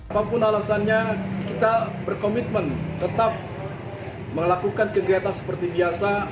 apapun alasannya kita berkomitmen tetap melakukan kegiatan seperti biasa